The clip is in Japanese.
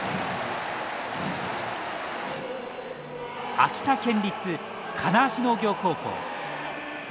秋田県立金足農業高校。